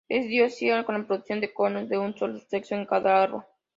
Es dioica, con la producción de conos de un solo sexo en cada árbol.